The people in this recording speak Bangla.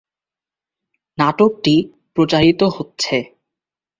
নাটকটি প্রচারিত হচ্ছে।